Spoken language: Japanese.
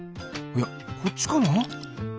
いやこっちかな？